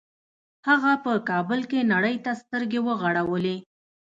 هغه په کابل کې نړۍ ته سترګې وغړولې